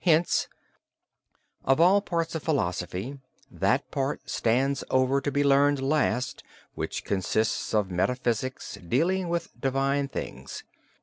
Hence, of all parts of philosophy that part stands over to be learned last, which consists of metaphysics dealing with (divine things).